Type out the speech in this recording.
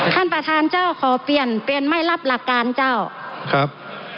ท่านประธานเจ้าขอเปลี่ยนเปลี่ยนไม่รับหลักการเจ้าครับ